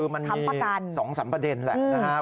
คำประกันคือมันมี๒๓ประเด็นแหละนะฮะ